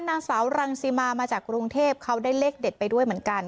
นางสาวรังสิมามาจากกรุงเทพเขาได้เลขเด็ดไปด้วยเหมือนกัน